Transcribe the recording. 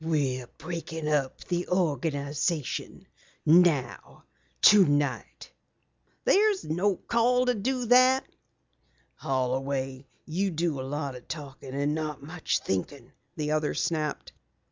"We're breaking up the organization now tonight." "There's no call to do that." "Holloway, you do a lot of talking and not much thinking," the other snapped.